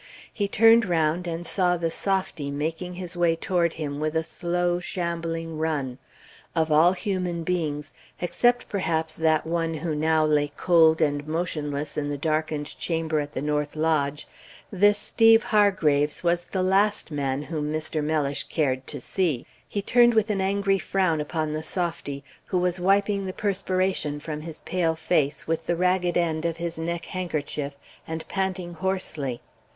He turned round and saw the softy making his way toward him with a slow, shambling run. Of all human beings, except perhaps that one who now lay cold and motionless in the darkened chamber at the north lodge, this Steeve Hargraves was the last whom Mr. Mellish cared to see. He turned with an angry frown upon the softy, who was wiping the perspiration from his pale face with the ragged end of his neck handkerchief, and panting hoarsely.